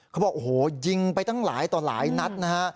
เขาบอกโอ้โหยิงไปตั้งหลายต่อหลายนัดนะฮะ